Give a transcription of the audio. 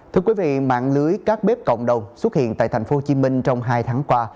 thưa quý vị mạng lưới các bếp cộng đồng xuất hiện tại tp hcm trong hai tháng qua